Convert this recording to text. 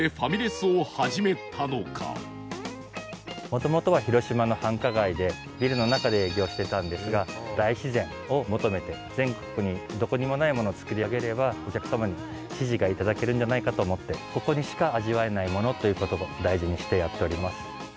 もともとは広島の繁華街でビルの中で営業をしていたんですが大自然を求めて全国にどこにもないものを作り上げればお客様に支持がいただけるんじゃないかと思ってここでしか味わえないものという事を大事にしてやっております。